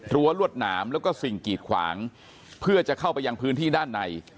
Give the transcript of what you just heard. รวดหนามแล้วก็สิ่งกีดขวางเพื่อจะเข้าไปยังพื้นที่ด้านใน